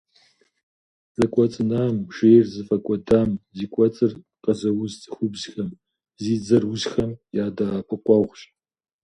Зэкӏуэцӏынам, жейр зыфӏэкӏуэдам, зи кӏуэцӏыр къызэуз цӏыхубзхэм, зи дзэр узхэм я дэӏэпыкъуэгъущ.